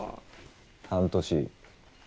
半年。